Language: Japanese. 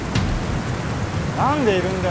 何でいるんだよ！？